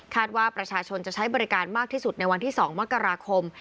ว่าประชาชนจะใช้บริการมากที่สุดในวันที่๒มกราคม